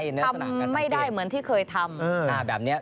ทำไม่ได้เหมือนที่เคยทำ